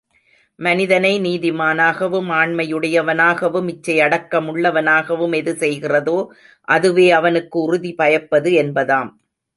மனிதனை நீதிமானாகவும் ஆண்மையுடையவனாகவும் இச்சையடக்க முள்ளுவனாகவும் எது செய்கிறதோ அதுவே அவனுக்கு உறுதி பயப்பது என்பதாம்.